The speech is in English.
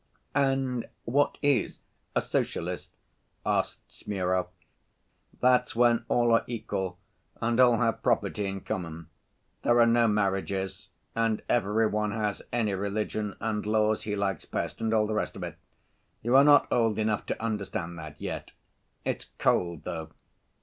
"And what is a Socialist?" asked Smurov. "That's when all are equal and all have property in common, there are no marriages, and every one has any religion and laws he likes best, and all the rest of it. You are not old enough to understand that yet. It's cold, though."